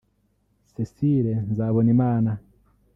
Cécile Nzabonimana